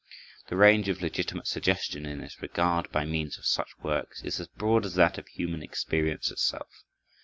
The range of legitimate suggestion in this regard by means of such works is as broad as that of human experience itself.